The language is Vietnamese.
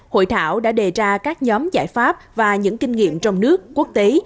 hội thảo đã đề ra các nhóm giải pháp và những kinh nghiệm trong nước quốc tế